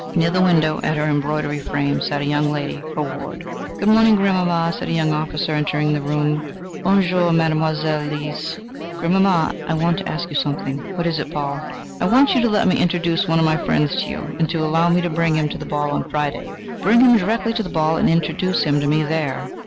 Near the window, at an embroidery frame, sat a young lady, her ward. "Good morning, grandmamma," said a young officer, entering the room. "Bonjour, Mademoiselle Lise. Grandmamma, I want to ask you something." "What is it, Paul?" "I want you to let me introduce one of my friends to you, and to allow me to bring him to the ball on Friday." "Bring him direct to the ball and introduce him to me there.